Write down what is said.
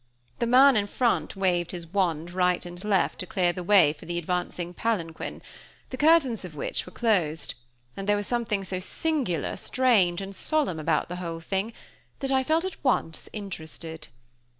The man in front waved his wand right and left to clear the way for the advancing palanquin, the curtains of which were closed; and there was something so singular, strange and solemn about the whole thing, that I felt at once interested.